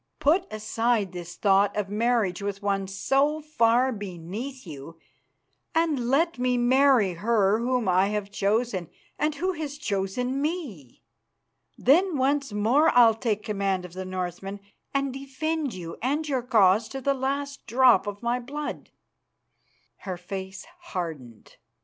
Put aside this thought of marriage with one so far beneath you, and let me marry her whom I have chosen, and who has chosen me. Then once more I'll take command of the Northmen and defend you and your cause to the last drop of my blood." Her face hardened.